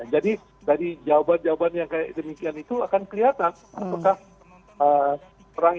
jadi dari jawaban jawaban yang demikian itu akan kelihatan apakah perang